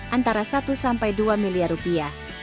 antara satu sampai dua miliar rupiah